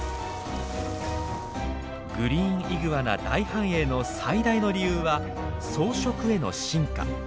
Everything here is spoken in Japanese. グリーンイグアナ大繁栄の最大の理由は「草食」への進化。